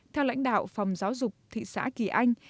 theo lãnh đạo phòng giáo dục thị xã kỳ anh